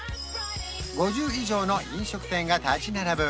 ５０以上の飲食店が立ち並ぶ